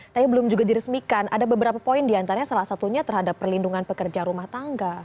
tapi belum juga diresmikan ada beberapa poin diantaranya salah satunya terhadap perlindungan pekerja rumah tangga